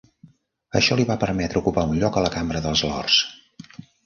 Això li va permetre ocupar un lloc a la Cambra del Lords.